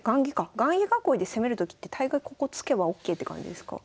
雁木囲いで攻めるときって大概ここ突けばＯＫって感じですか？